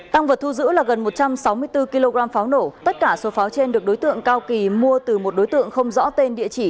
tăng vật thu giữ là gần một trăm sáu mươi bốn kg pháo nổ tất cả số pháo trên được đối tượng cao kỳ mua từ một đối tượng không rõ tên địa chỉ